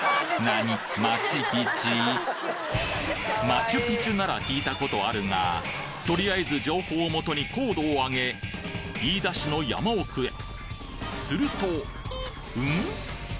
マチュピチュなら聞いたことあるがとりあえず情報をもとに高度を上げするとうん？